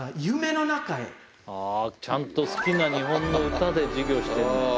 ちゃんと好きな日本の歌で授業してるんだ。